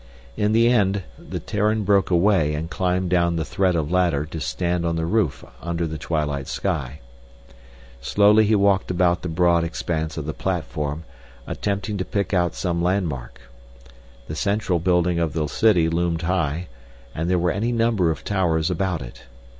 In the end the Terran broke away and climbed down the thread of ladder to stand on the roof under the twilight sky. Slowly he walked about the broad expanse of the platform, attempting to pick out some landmark. The central building of the city loomed high, and there were any number of towers about it.